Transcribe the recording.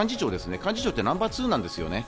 幹事長ってナンバー２なんです。